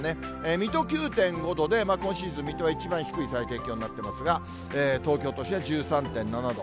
水戸９．５度で、今シーズン、水戸は一番低い最低気温になっていますが、東京都心は１３．７度。